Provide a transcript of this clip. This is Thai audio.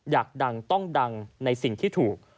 อยากดังต้องดังในสิ่งที่ถูก